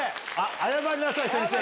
謝りなさい先生に。